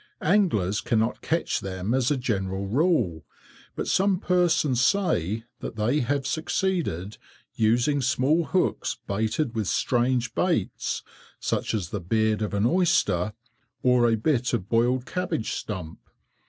Anglers cannot catch them as a general rule, but some persons say that they have succeeded, using small hooks baited with strange baits, such as the beard of an oyster, or a bit of boiled cabbage stump.